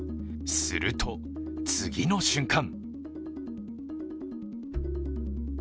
すると、次の瞬間。